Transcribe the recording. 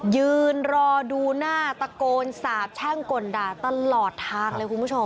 ยืนรอดูหน้าตะโกนสาบแช่งกลด่าตลอดทางเลยคุณผู้ชม